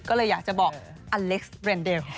ก็เลยอยากจะบอกอเล็กซ์เรนเดล